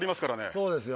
そうですよ。